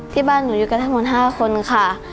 ที่บ้านหนูอยู่กันทั้งหมด๕คนค่ะ